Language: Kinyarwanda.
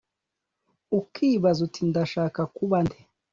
ukibaza uti ndashaka kuba nde